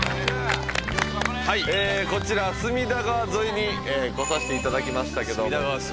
隅田川沿いに来させていただきましたけれども。